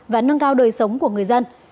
và nâng cao đời sống của người dân